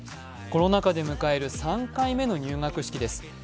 コロナ禍で迎える３回目の入学式です。